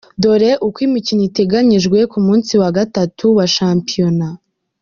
Dore uko imikino iteganyijwe ku munsi wa gatatu wa shampiyona.